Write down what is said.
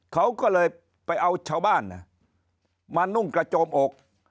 เขาก็เลยไปเอาชาวบ้านมานุ่งกระโจมอก